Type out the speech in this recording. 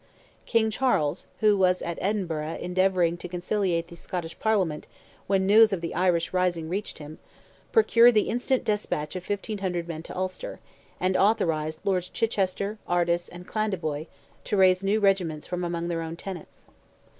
King Charles, who was at Edinburgh endeavouring to conciliate the Scottish Parliament when news of the Irish rising reached him, procured the instant despatch of 1,500 men to Ulster, and authorized Lords Chichester, Ardes and Clandeboy, to raise new regiments from among their own tenants.